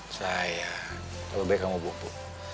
sayang kalau baik kamu bobo